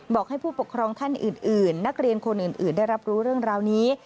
บอกให้ผู้ปกครองท่านอื่นนักเรียนคนอื่นได้รับรู้เรื่องราวนี้